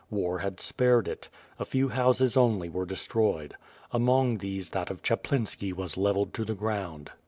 War had spared it. A few houses only were destroyed. Among these that of Chaplinski was levelled to the ground.